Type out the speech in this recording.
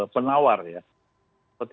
penawar ya seperti